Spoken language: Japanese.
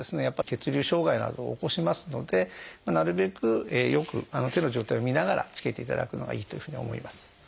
やっぱり血流障害などを起こしますのでなるべくよく手の状態を見ながらつけていただくのがいいというふうに思います。